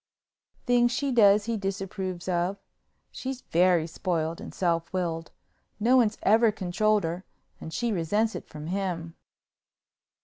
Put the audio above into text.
"Things she does he disapproves of. She's very spoiled and self willed. No one's ever controlled her and she resents it from him."